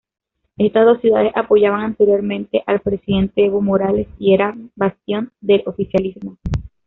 Estas dos ciudades apoyaban anteriormente al presidente Evo Morales y eran bastión del oficialismo.